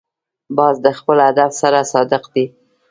باز د خپل هدف سره صادق دی